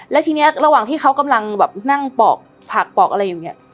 และทีนี้ระหว่างที่เขากำลังแบบนั่งปอกผักปอกอะไรอยู่เนี่ย